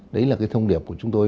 đấy là thông điệp của chúng tôi